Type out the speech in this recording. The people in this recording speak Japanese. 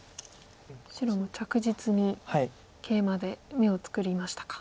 白も着実にケイマで眼を作りましたか。